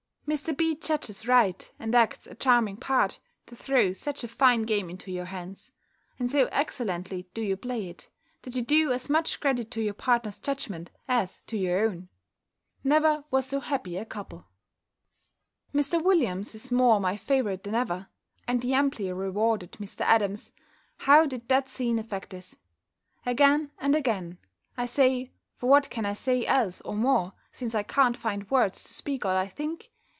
Mr. B. judges right, and acts a charming part, to throw such a fine game into your hands. And so excellently do you play it, that you do as much credit to your partner's judgment as to your own. Never was so happy a couple. Mr. Williams is more my favourite than ever; and the amply rewarded Mr. Adams, how did that scene affect us! Again and again, I say (for what can I say else or more since I can't find words to speak all I think?)